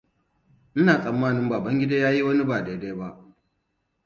Ina tsammanin Babangidaa yayi wani ba dai-dai ba.